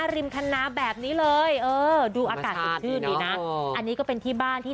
ริมคันนาแบบนี้เลยเออดูอากาศสดชื่นดีนะอันนี้ก็เป็นที่บ้านที่